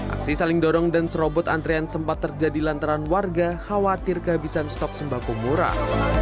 aksi saling dorong dan serobot antrean sempat terjadi lantaran warga khawatir kehabisan stok sembako murah